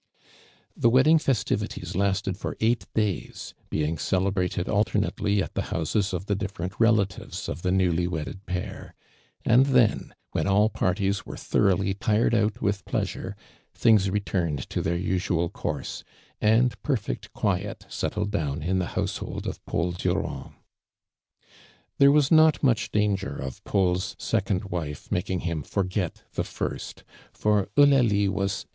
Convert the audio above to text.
The wedding festivities lasteti for eight days, being celebrated alternately at the lioiisps of the different relatives of the new ly wedded pair; and then, when all parties wore tiioroughly tired out with pleasure, ihinjx'^ returned to their usual course, aiul ])erfect (|uiet settled down in the household «)f Paid Durnnd. There was not much danger of Paul's econd wifeiuaUing him forget the first, for Eulalie was sin.